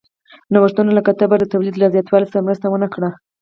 نوښتونه لکه تبر د تولید له زیاتوالي سره مرسته ونه کړه.